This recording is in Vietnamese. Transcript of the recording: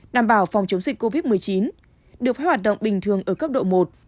đảm bảo phòng chống dịch covid một mươi chín được phép hoạt động bình thường ở cấp độ một